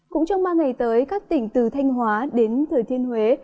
cũng trong ba ngày tới các tỉnh từ thanh hóa đến thừa thiên huế